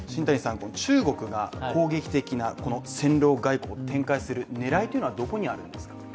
今中国が攻撃的なこの戦狼外交を展開する狙いというのはどこにあるんですか。